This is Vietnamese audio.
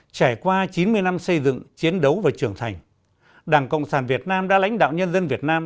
trải qua chín mươi năm xây dựng chiến đấu và trưởng thành đảng cộng sản việt nam đã lãnh đạo nhân dân việt nam